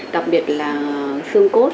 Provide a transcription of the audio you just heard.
đặc biệt là xương cốt